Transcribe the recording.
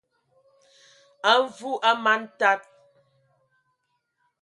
A Mvu a man taa,